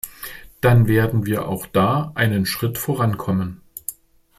Dann werden wir auch da einen Schritt vorankommen.